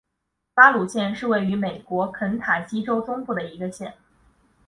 拉鲁县是位于美国肯塔基州中部的一个县。